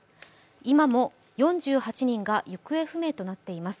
今も４８人が行方不明となっています。